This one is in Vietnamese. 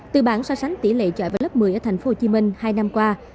từ bản so sánh tỷ lệ trọi vào lớp một mươi ở tp hcm hai năm qua